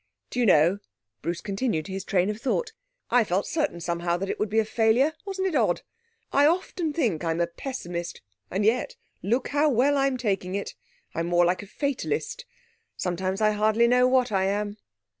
'Do you know,' Bruce continued his train of thought, 'I felt certain somehow that it would be a failure. Wasn't it odd? I often think I'm a pessimist, and yet look how well I'm taking it. I'm more like a fatalist sometimes I hardly know what I am.'